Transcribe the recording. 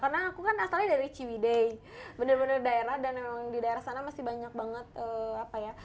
karena aku kan asalnya dari chiwidei benar benar daerah dan memang di daerah sana masih banyak banget apa ya